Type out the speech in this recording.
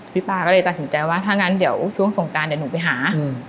ป้าก็เลยตัดสินใจว่าถ้างั้นเดี๋ยวช่วงสงการเดี๋ยวหนูไปหา